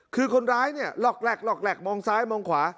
คือคนร้ายเนี่ยหลอกแหลกมองซ้ายมองขวา